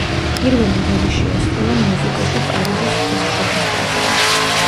პირველი როლი შეასრულა მიუზიკლში პარიზის ღვთისმშობლის ტაძარი.